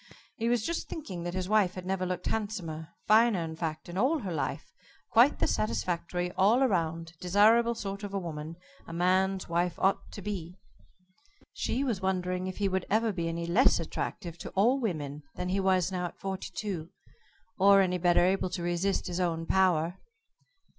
He was just thinking that his wife had never looked handsomer, finer, in fact, in all her life quite the satisfactory, all round, desirable sort of a woman a man's wife ought to be. She was wondering if he would ever be any less attractive to all women than he was now at forty two or any better able to resist his own power.